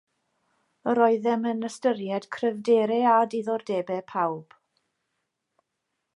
Yr oeddem yn ystyried cryfderau a diddordebau pawb